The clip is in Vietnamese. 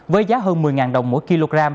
với giá hơn một mươi đồng mỗi kg